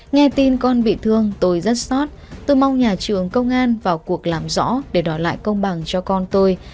nghe tin con bị thương tôi rất xót tôi mong nhà trường công an vào cuộc làm rõ để đòi lại công bằng cho con tôi